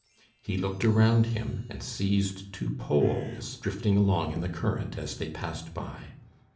He looked around him and seized two poles drifting along in the current, as they passed by.